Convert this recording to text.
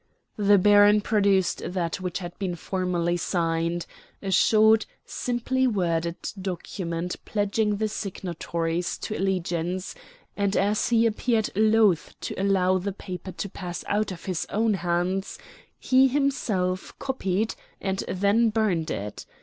The baron produced that which had been formerly signed a short, simply worded document pledging the signatories to allegiance; and as he appeared loath to allow the paper to pass out of his own hands, he himself copied and then burnt it.